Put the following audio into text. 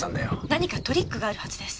何かトリックがあるはずです。